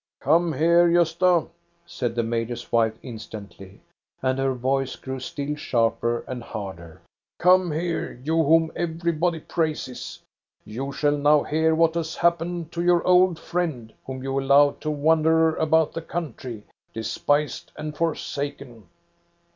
" Come here, Gosta," said the major's wife instantly, and her voice grew still sharper and harder. Come here, you whom everybody praises. You shall now hear what has happened to your old friend whom you allowed to wander about the country, despised and forsaken.